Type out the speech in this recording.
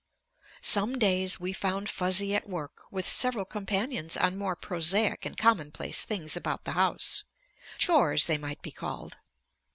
Some days we found Fuzzy at work with several companions on more prosaic and commonplace things about the house; chores they might be called.